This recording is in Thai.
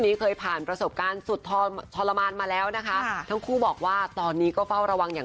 มีใครเอากล้องมาถ่ายปุ๊บก็จะสะกิดก็หลายเวลา